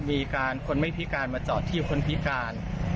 มีการคนไม่พิการมาจอดที่คนพิการ